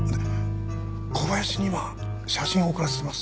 小林に今写真を送らせてます。